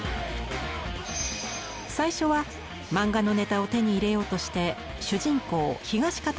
最初は漫画のネタを手に入れようとして主人公東方